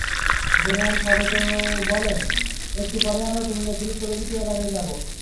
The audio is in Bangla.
জেনারেল সগত বললেন, একটু পরেই আমরা কুমিল্লা, সিলেট প্রভৃতি এলাকায় যাব।